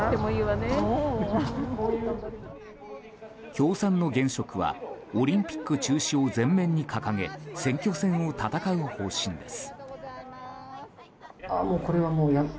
共産の現職はオリンピック中止を全面に掲げ選挙戦を戦う方針です。